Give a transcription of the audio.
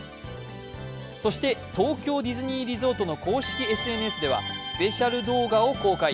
そして東京ディズニーリゾートの公式ＳＮＳではスペシャル動画を公開。